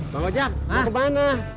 bang ojak masuk mana